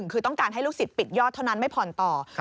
คือต้องการให้ลูกศิษย์ปิดยอดเท่านั้นไม่ผ่อนต่อ